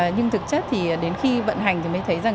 nhưng thực chất thì đến khi vận hành thì mới thấy rằng